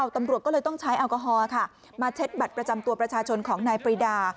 ตำรวจก็เลยต้องใช้แอลกอฮอล์มาเช็ดบัตรประจำตัวประชาชนของนายปรีดา